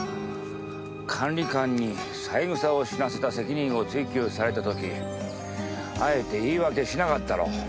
管理官に三枝を死なせた責任を追及された時あえて言い訳しなかったろ？